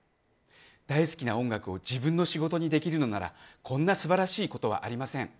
大好きな音楽を自分の仕事にできるのならこんな素晴らしいことはありません。